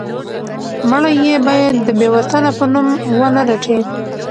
مړی یې باید د بې وطنه په نوم ونه رټي.